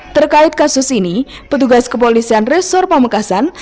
terkait kasus ini petugas kepolisian resor pamekasan